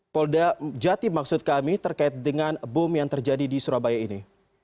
polda jati maksud kami terkait dengan bom yang terjadi di surabaya ini